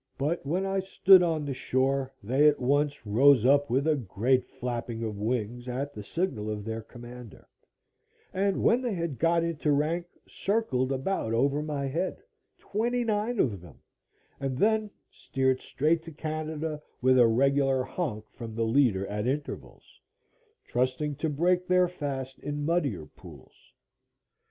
But when I stood on the shore they at once rose up with a great flapping of wings at the signal of their commander, and when they had got into rank circled about over my head, twenty nine of them, and then steered straight to Canada, with a regular honk from the leader at intervals, trusting to break their fast in muddier pools.